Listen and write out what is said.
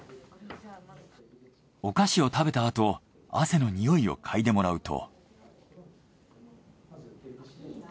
お菓子を食べた後汗のにおいを嗅いでもらうと。